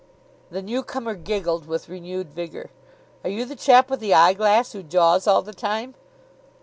The new comer giggled with renewed vigour. "Are you the chap with the eyeglass who jaws all the time?"